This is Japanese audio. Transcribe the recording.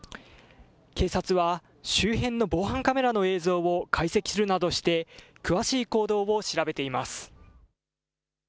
警察は周辺の防犯カメラの映像を解析するなどして詳しい行動を調べています。